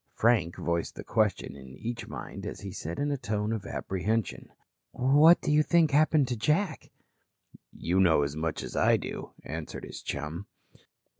Frank voiced the question in each mind as he said in a tone of apprehension: "What do you think happened to Jack?" "You know as much as I do," answered his chum.